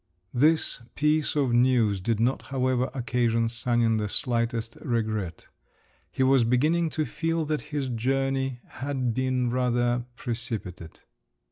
This piece of news did not, however, occasion Sanin the slightest regret. He was beginning to feel that his journey had been rather precipitate….